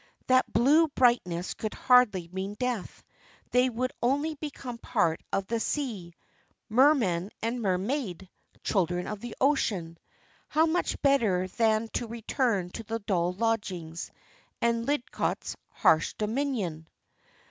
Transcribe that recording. That blue brightness could hardly mean death. They would only become part of the sea merman and mermaid, children of the ocean. How much better than to return to the dull lodgings, and Lidcott's harsh dominion!